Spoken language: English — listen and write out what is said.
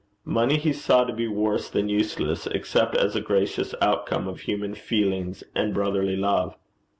Money he saw to be worse than useless, except as a gracious outcome of human feelings and brotherly love.